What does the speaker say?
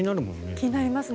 気になりますね。